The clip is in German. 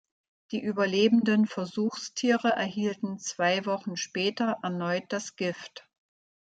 Die überlebenden Versuchstiere erhielten zwei Wochen später erneut das Gift.